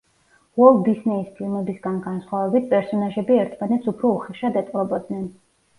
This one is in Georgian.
უოლტ დისნეის ფილმებისგან განსხვავებით, პერსონაჟები ერთმანეთს უფრო უხეშად ეპყრობოდნენ.